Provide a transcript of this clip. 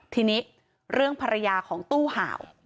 ทีนี้เรื่องภรรยาของตู้ห่าว